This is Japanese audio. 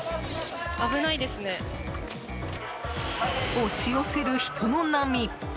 押し寄せる人の波。